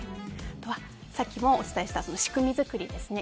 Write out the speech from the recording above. あとはさっきもお伝えした仕組み作りですね。